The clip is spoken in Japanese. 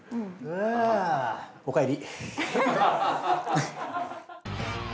おかえり。